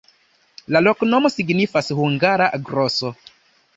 La loknomo signifas: hungara-groso.